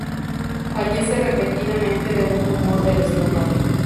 Fallece repentinamente de un tumor del estómago.